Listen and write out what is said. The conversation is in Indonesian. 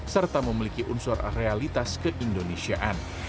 serta memiliki unsur realitas keindonesiaan